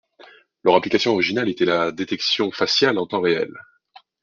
Leur application originale était la détection faciale en temps réel.